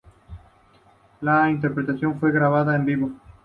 La interpretación fue grabada en vivo.